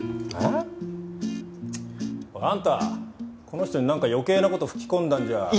えっ？あんたこの人になんか余計な事吹き込んだんじゃ。